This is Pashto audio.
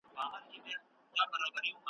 هغوی پرون نوی دوکان پرانیست.